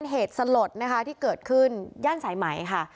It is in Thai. เหตุทธิศที่เกิดขึ้นย่านสายไหมค่ะ